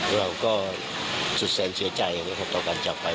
เราก็สุดแสนเสียใจต่อการจับไป